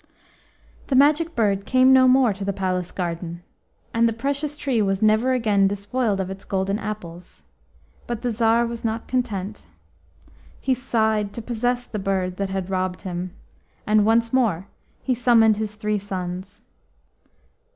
The Magic Bird came no more to the palace garden, and the precious tree was never again despoiled of its golden apples. But the Tsar was not content. He sighed to possess the bird that had robbed him, and once more he summoned his three sons.